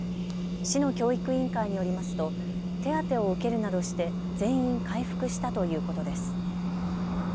市の教育委員会によりますと手当てを受けるなどして全員回復したということです。